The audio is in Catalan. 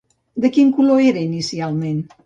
De quin color era inicialment?